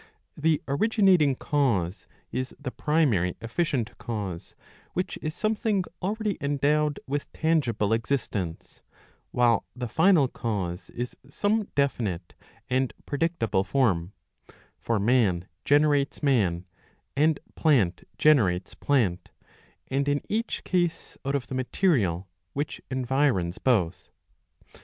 The originating cause is the primary efficient cause, which is something already endowed with tangible existence, while the final cause is some definite [and predictable] form ; for man generates man, and plant generates plant, and in each case out of the material which environs both.)